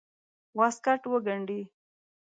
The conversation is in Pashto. واسکټ وګنډي.